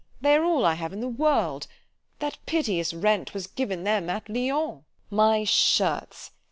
——they are all I have in world——that piteous rent was given them at Lyons—— My shirts!